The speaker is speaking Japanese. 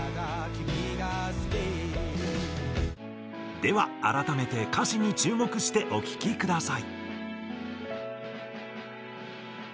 では改めて歌詞に注目してお聴きください。